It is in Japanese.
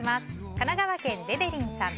神奈川県の方。